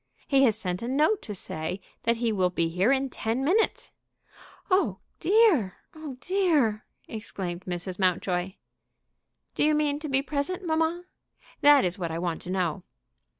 "He has sent a note to say that he will be here in ten minutes." "Oh dear! oh dear!" exclaimed Mrs. Mountjoy. "Do you mean to be present, mamma? That is what I want to know."